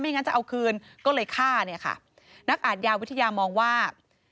งั้นจะเอาคืนก็เลยฆ่าเนี่ยค่ะนักอาทยาวิทยามองว่า